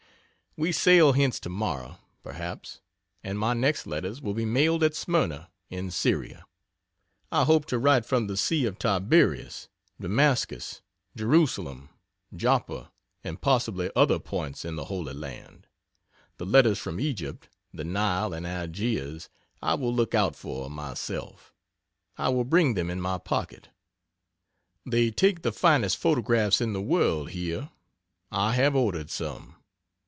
We sail hence tomorrow, perhaps, and my next letters will be mailed at Smyrna, in Syria. I hope to write from the Sea of Tiberius, Damascus, Jerusalem, Joppa, and possibly other points in the Holy Land. The letters from Egypt, the Nile and Algiers I will look out for, myself. I will bring them in my pocket. They take the finest photographs in the world here. I have ordered some.